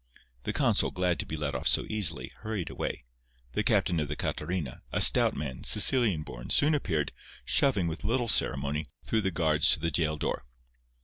The consul, glad to be let off so easily, hurried away. The captain of the Catarina, a stout man, Sicilian born, soon appeared, shoving, with little ceremony, through the guards to the jail door.